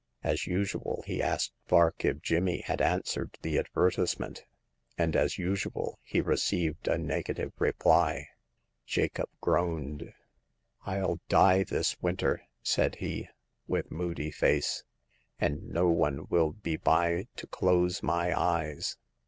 As usual, he asked Vark if Jimmy had answered the advertise ment, and as usual he received a negative re ply. Jacob groaned. 111 die this winter/' said he, with moody The Coming of Hagar. 27 face, and no one will be by to close my eyes."